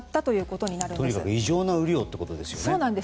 とにかく異常な雨量ということですね。